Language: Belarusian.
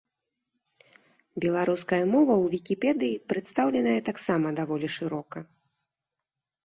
Беларуская мова ў вікіпедыі прадстаўленая таксама даволі шырока.